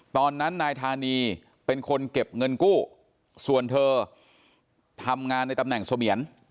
ตอนนั้นนายธานีเป็นคนเก็บเงินกู้ส่วนเธอทำงานในตำแหน่งเสมียน